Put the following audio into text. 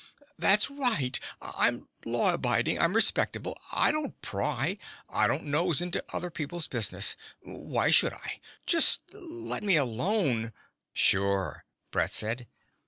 "That's right. I'm law abiding. I'm respectable. I don't pry. I don't nose into other people's business. Why should I? Just let me alone ..." "Sure," Brett said.